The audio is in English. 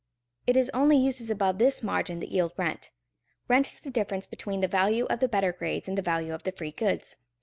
It is only uses above this margin that yield rent. Rent is the difference between the value of the better grades and the value of the free goods.